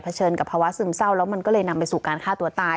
เชิญกับภาวะซึมเศร้าแล้วมันก็เลยนำไปสู่การฆ่าตัวตาย